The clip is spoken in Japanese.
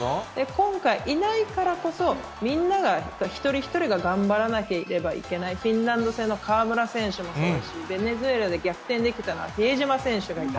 今回、いないからこそ、みんなが、一人一人が頑張らなければいけない、フィンランド戦の河村選手もそうですし、ベネズエラで逆転できたのは比江島選手がいた。